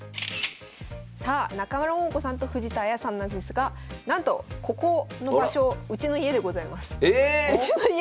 さあ中村桃子さんと藤田綾さんなんですがなんとここの場所うちの家でございます。